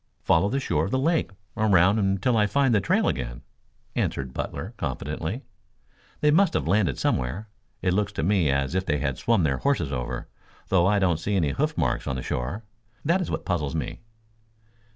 "Follow the shore of the lake around until I find the trail again," answered Butler confidently. "They must have landed somewhere. It looks to me as if they had swum their horses over, though I don't see any hoof marks on the shore. That is what puzzles me."